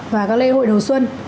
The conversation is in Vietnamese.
và các lễ hội đầu xuân